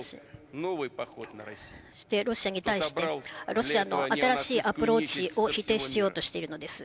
そしてロシアに対して、ロシアの新しいアプローチを否定しようとしているのです。